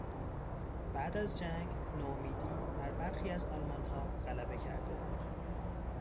بعد از جنگ نومیدی بر برخی از آلمانها غلبه کرده بود.